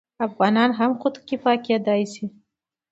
افغانان هم خودکفا کیدی شي.